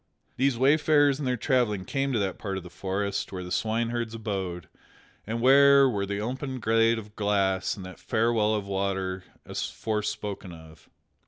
These wayfarers in their travelling came to that part of the forest where the swineherds abode, and where were the open glade of grass and the fair well of water aforespoken of.